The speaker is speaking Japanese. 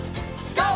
ＧＯ！